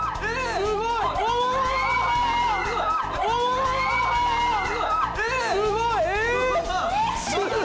すっごい。